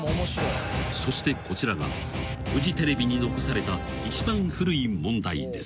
［そしてこちらがフジテレビに残された一番古い問題です］